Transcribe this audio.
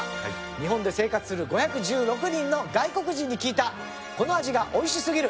日本で生活する５１６人の外国人に聞いたこの味がおいしすぎる！